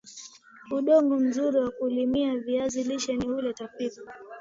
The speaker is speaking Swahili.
udongo mzuri wa kulimia viazi lishe ni ule wa tifutifu